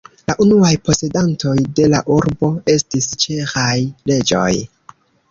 La unuaj posedantoj de la urbo estis ĉeĥaj reĝoj.